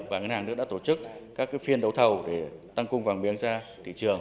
và ngân hàng nước đã tổ chức các phiên đấu thầu để tăng cung vàng miếng ra thị trường